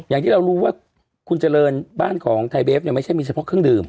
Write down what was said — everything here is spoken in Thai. อย่างที่เรารู้ว่าคุณเจริญบ้านของไทยเบฟเนี่ยไม่ใช่มีเฉพาะเครื่องดื่ม